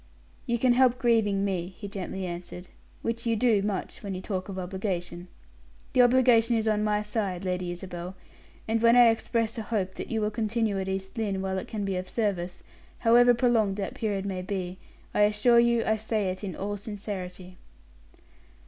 "You can help grieving me," he gently answered, "which you do much when you talk of obligation. The obligation is on my side, Lady Isabel; and when I express a hope that you will continue at East Lynne while it can be of service, however prolonged that period may be, I assure you, I say it in all sincerity."